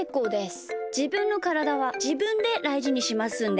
じぶんのからだはじぶんでだいじにしますんで。